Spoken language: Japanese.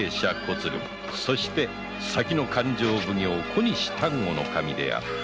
そして先の勘定奉行小西丹後守であった